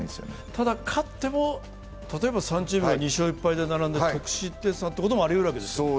ただ勝っても３チームが２勝３敗で並んでる得失点差ということもありうるわけですよね。